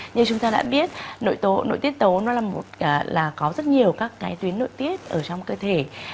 như chúng ta đã biết nội tiết tố nó là có rất nhiều các tuyến nội tiết ở trong cơ thể